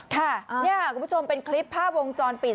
ค่ะนี่คุณผู้ชมเป็นคลิปภาพวงจรปิด